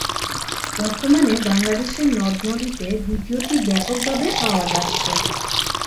বর্তমানে বাংলাদেশের নদ-নদীতে দ্বিতীয়টি ব্যাপকভাবে পাওয়া যাচ্ছে।